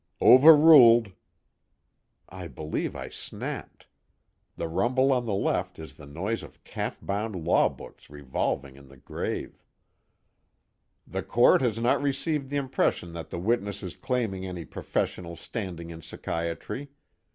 "Overruled." I believe I snapped; the rumble on the left is the noise of calf bound law books revolving in the grave. "The Court has not received the impression that the witness is claiming any professional standing in psychiatry.